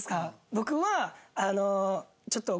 僕は。